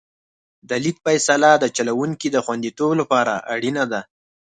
د لید فاصله د چلوونکي د خوندیتوب لپاره اړینه ده